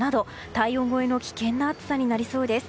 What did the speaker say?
体温超えの危険な暑さになりそうです。